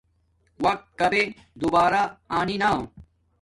وقت کبے دوبارا انی نا